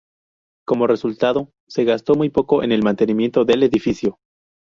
Como resultado, se gastó muy poco en el mantenimiento del edificio.